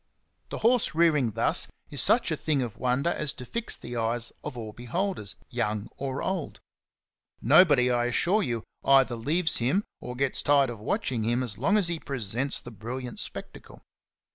The horse rearing thus is such a thing of wonder as to fix the eyes of all beholders, young or old. Nobody, I assure you, either leaves him or gets tired of watching him as long as he presents the brilliant spectacle.